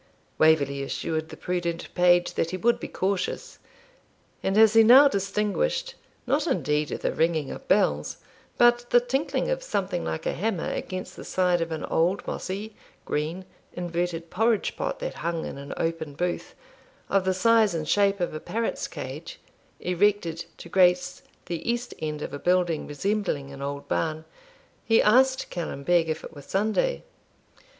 Waverley assured the prudent page that he would be cautious; and as he now distinguished, not indeed the ringing of bells, but the tinkling of something like a hammer against the side of an old mossy, green, inverted porridge pot that hung in an open booth, of the size and shape of a parrot's cage, erected to grace the east end of a building resembling an old barn, he asked Callum Beg if it were Sunday.